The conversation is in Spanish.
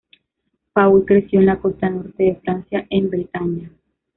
Paul creció en la costa norte de Francia, en Bretaña.